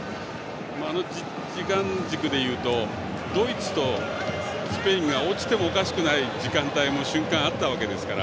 あの時間軸でいうとドイツとスペインが落ちてもおかしくない時間帯も瞬間、あったわけですから。